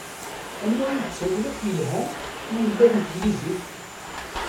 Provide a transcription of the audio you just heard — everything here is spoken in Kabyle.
Anwa i d ttawil akk i yelhan i ulmad n tegnizit?